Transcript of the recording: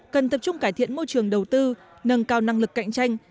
cần tập trung cải thiện môi trường đầu tư nâng cao năng lực cạnh tranh